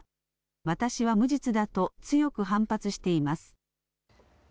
私は無実だと強く反発しています。